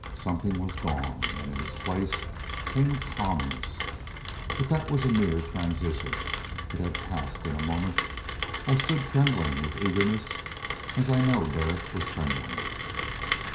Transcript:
Something was gone, and in its place came a calmness. But that was a mere transition. It had passed in a moment. I stood trembling with eagerness, as I know Derek was trembling.